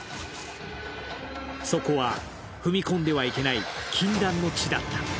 そこは踏み込んではいけない禁断の地だった。